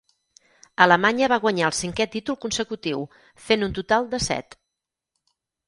Alemanya va guanyar el cinquè títol consecutiu, fent un total de set.